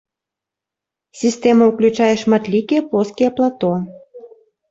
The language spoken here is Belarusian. Сістэма ўключае шматлікія плоскія плато.